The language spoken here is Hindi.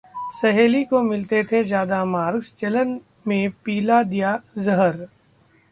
सहेली को मिलते थे ज्यादा मार्क्स, जलन में पिला दिया जहर